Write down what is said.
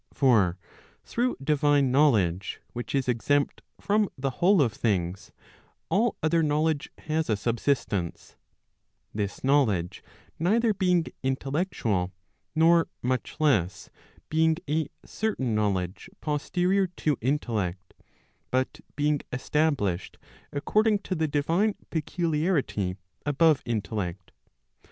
For through divine knowledge, which is exempt from the whole of things, all other knowledge has a subsistence; this knowledge neither being intellectual, nor much less, being a certain knowledge posterior to intellect, but being established according to the divine peculiarity above intellect.